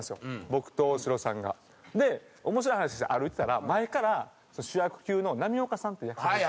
僕と大城さんが。で面白い話をして歩いてたら前から主役級の波岡さんっていう役者さん。